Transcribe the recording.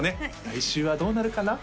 来週はどうなるかな？